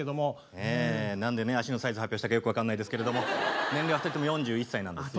ね何でね足のサイズ発表したかよく分かんないですけれども年齢は２人とも４１歳なんですよ。